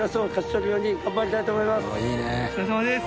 お疲れさまです。